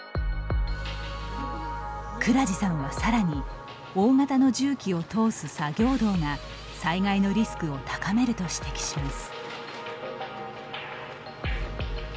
蔵治さんは、さらに大型の重機を通す作業道が災害のリスクを高めると指摘します。